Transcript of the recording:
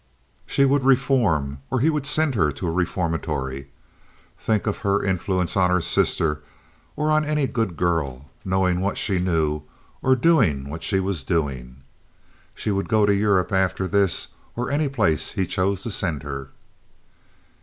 She would reform, or he would send her to a reformatory. Think of her influence on her sister, or on any good girl—knowing what she knew, or doing what she was doing! She would go to Europe after this, or any place he chose to send her.